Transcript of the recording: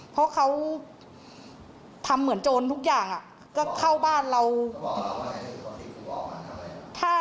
เพราะเขาทำเหมือนโจรทุกอย่างก็เข้าบ้านเรา